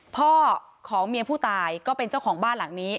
พ่อของเมียผู้ตายก็เป็นเจ้าของบ้านหลังนี้